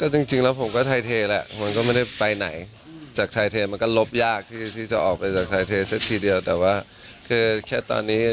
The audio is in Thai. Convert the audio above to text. จริงแล้วผมก็ไทยเทแหละมันก็ไม่ได้ไปไหนจากชายเทมันก็ลบยากที่จะออกไปจากชายเทสักทีเดียวแต่ว่าคือแค่ตอนนี้